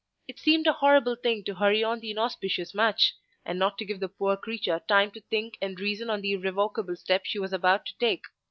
It seemed a horrible thing to hurry on the inauspicious match, and not to give the poor creature time to think and reason on the irrevocable step she was about to take.